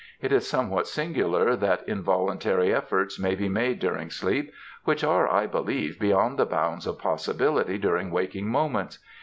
It is somewhat singular that involuntary efforts may be made during sleep, which are I believe beyond the bounds of possibility during waking moments.